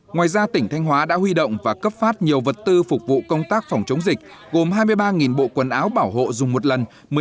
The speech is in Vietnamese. ngoài ra tỉnh thanh hóa đã huy động và cấp phát nhiều vật tư phục vụ công tác phòng chống dịch gồm hai mươi ba bộ quần áo bảo hộ dùng một lần